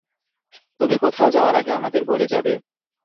তুমি কোথাও যাওয়ার আগে আমাদের বলে যাবে।